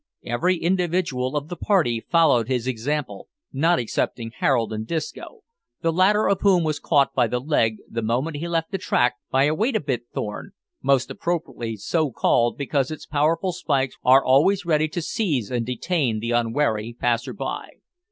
Every individual of the party followed his example, not excepting Harold and Disco, the latter of whom was caught by the leg, the moment he left the track, by a wait a bit thorn most appropriately so called, because its powerful spikes are always ready to seize and detain the unwary passer by.